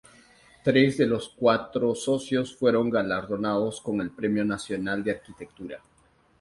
Tres de los cuatro socios fueron galardonados con el Premio Nacional de Arquitectura.